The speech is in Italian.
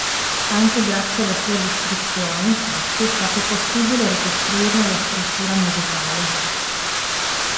Anche grazie alla sua descrizione, infatti, è stato possibile ricostruirne la struttura musicale.